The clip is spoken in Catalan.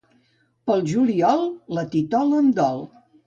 Pel juliol, la titola em dol.